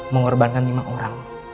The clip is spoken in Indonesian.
mengorbankan lima orang